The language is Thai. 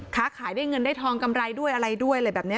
ค้าขายได้เงินได้ทองกำไรด้วยอะไรด้วยอะไรแบบนี้